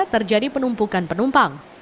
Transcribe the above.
terjadi penumpukan penumpang